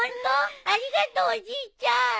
ありがとうおじいちゃん。